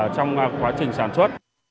trong quá trình sản xuất